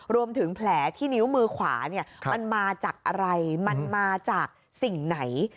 รวมถึงแผลที่นิ้วมือขวาเนี่ยมันมาจากอะไรมันมาจากสิ่งไหน